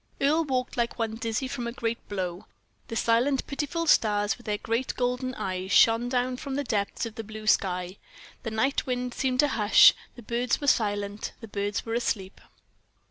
Earle walked like one dizzy from a great blow; the silent, pitiful stars, with their great golden eyes, shone down from the depths of the blue sky; the night wind seemed to hush, the birds were silent, the birds were asleep.